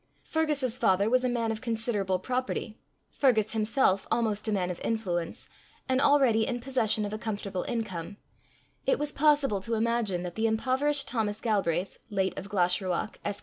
Fergus's father was a man of considerable property, Fergus himself almost a man of influence, and already in possession of a comfortable income: it was possible to imagine that the impoverished Thomas Galbraith, late of Glashruach, Esq.